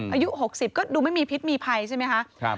อายุ๖๐ก็ดูไม่มีพิษมีภัยใช่ไหมคะ